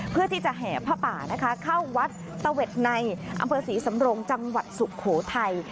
เพื่อที่จะแห่ผ้าป่านะคะเข้าวัดตะเว็ดในอำเภอศรีสำรงจังหวัดสุโขทัย